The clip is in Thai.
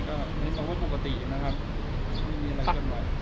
ก็ไม่ต้องว่าปกตินะครับไม่มีอะไรกันไหม